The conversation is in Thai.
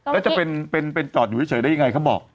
แล้วจะเป็นจอดอยู่เฉยได้ยังไงเขาบอก